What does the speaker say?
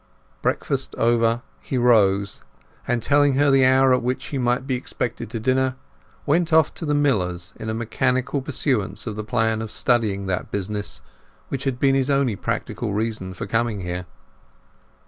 Breakfast over, he rose, and telling her the hour at which he might be expected to dinner, went off to the miller's in a mechanical pursuance of the plan of studying that business, which had been his only practical reason for coming here.